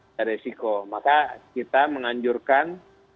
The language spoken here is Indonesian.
ada resiko maka kita menganjurkan